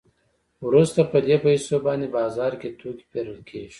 وروسته په دې پیسو باندې بازار کې توکي پېرل کېږي